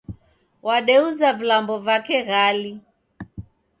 W'adeuza vilambo vape ghali